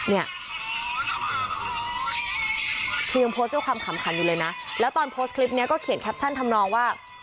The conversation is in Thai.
เนี่ยคือยังโพสต์ด้วยความขำขันอยู่เลยนะแล้วตอนโพสต์คลิปนี้ก็เขียนแคปชั่นทำนองว่า